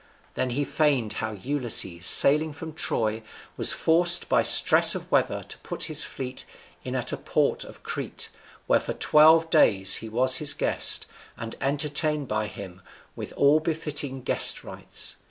Then he feigned how Ulysses, sailing for Troy, was forced by stress of weather to put his fleet in at a port of Crete, where for twelve days he was his guest, and entertained by him with all befitting guest rites.